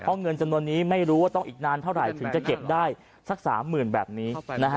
เพราะเงินจำนวนนี้ไม่รู้ว่าต้องอีกนานเท่าไหร่ถึงจะเก็บได้สัก๓๐๐๐แบบนี้